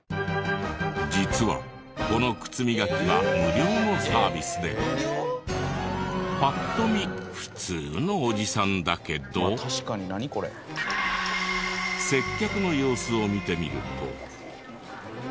実はこの靴磨きは無料のサービスでパッと見普通のおじさんだけど接客の様子を見てみると。